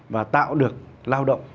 và tạo được lao động